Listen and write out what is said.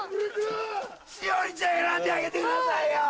栞里ちゃん選んであげてくださいよ！